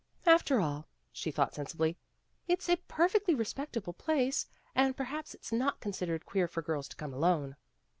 " After all," she thought sensibly, "it's a perfectly respectable place, and perhaps it's not considered queer for girls to come alone."